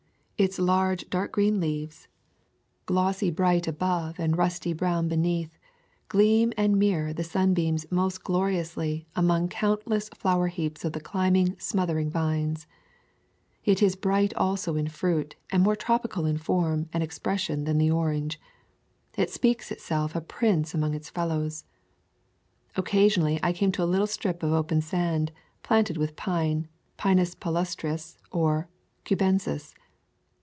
Its large dark green leaves, glossy bright above [ 90 ] VCINOTA NYALSVA NI 'UAAIN S\NHOfL 'LS AHL Ad Florida Swamps and Forests and rusty brown beneath, gleam and mirror the sunbeams most gloriously among countless flower heaps of the climbing, smothering vines. It is bright also in fruit and more tropical in form and expression than the orange. It speaks itself a prince among its fellows. Occasionally, I came to a little strip of open sand, planted with pine (Pinus palustris or Cubensis).